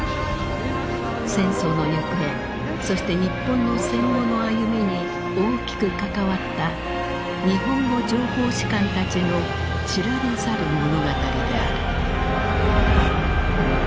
戦争の行方そして日本の戦後の歩みに大きく関わった日本語情報士官たちの知られざる物語である。